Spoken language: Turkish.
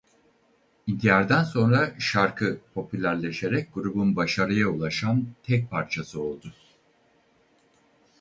İntihardan sonra şarkı popülerleşerek grubun başarıya ulaşan tek parçası oldu.